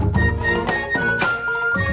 bukan makan siang